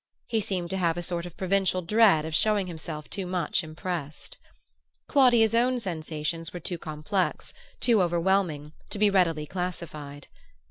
He seemed to have a sort of provincial dread of showing himself too much impressed. Claudia's own sensations were too complex, too overwhelming, to be readily classified.